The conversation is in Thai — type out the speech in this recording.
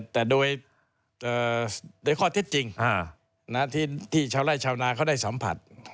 แต่โดยข้อเท็จจริงที่ชาวไล่ชาวนาเขาได้สัมผัส